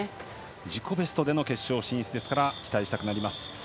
自己ベストでの決勝進出ですから期待したくなります。